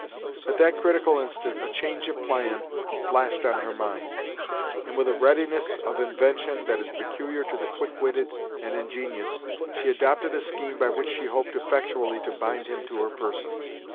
At that critical instant, a change of plan flashed on her mind, and with a readiness of invention that is peculiar to the quick witted and ingenious, she adopted a scheme by which she hoped effectually to bind him to her person.